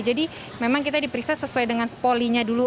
jadi memang kita diperiksa sesuai dengan polinya dulu